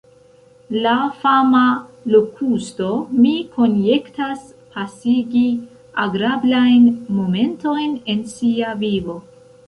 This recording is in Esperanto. La fama Lokusto, mi konjektas, pasigis agrablajn momentojn en sia vivo.